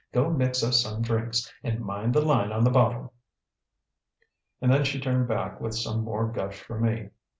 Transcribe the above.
Go mix us some drinks. And mind the line on the bottle." And then she turned back with some more gush for me.